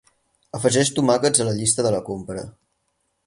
Afegeix tomàquets a la llista de la compra.